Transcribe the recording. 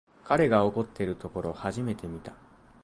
彼が怒ってるところ初めて見た